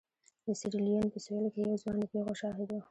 د سیریلیون په سوېل کې یو ځوان د پېښو شاهد و.